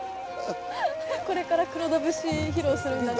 これから「黒田節」披露するんだなって。